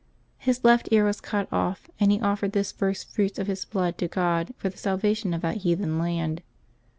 His left ear was cut off, and he offered this first fruits of his blood to God for the salvation of that heathen land.